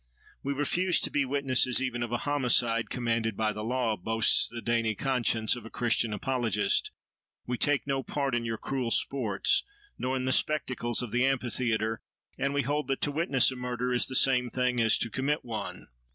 "We refuse to be witnesses even of a homicide commanded by the law," boasts the dainty conscience of a Christian apologist, "we take no part in your cruel sports nor in the spectacles of the amphitheatre, and we hold that to witness a murder is the same thing as to commit one."